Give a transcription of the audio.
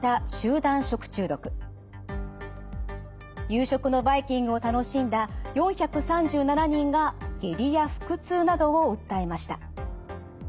夕食のバイキングを楽しんだ４３７人が下痢や腹痛などを訴えました。